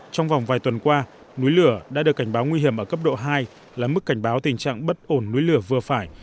trong vòng vài tuần qua núi lửa đã được cảnh báo nguy hiểm ở cấp độ hai là mức cảnh báo tình trạng bất ổn núi lửa vừa phải